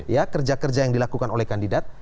ya kerja kerja yang dilakukan oleh kandidat